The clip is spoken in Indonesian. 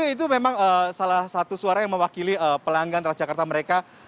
itu memang salah satu suara yang mewakili pelanggan transjakarta mereka